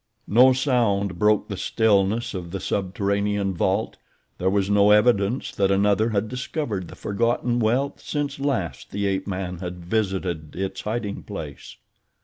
No sound broke the stillness of the subterranean vault. There was no evidence that another had discovered the forgotten wealth since last the ape man had visited its hiding place.